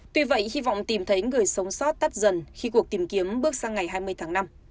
tuy vậy hy vọng tìm thấy người sống sót tắt dần khi cuộc tìm kiếm bước sang ngày hai mươi tháng năm